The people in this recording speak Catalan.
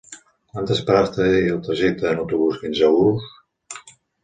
Quantes parades té el trajecte en autobús fins a Urús?